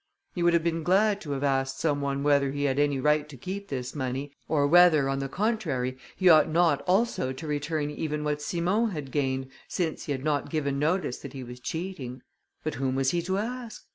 He would have been glad to have asked some one whether he had any right to keep this money, or whether, on the contrary, he ought not also to return even what Simon had gained, since he had not given notice that he was cheating. But whom was he to ask?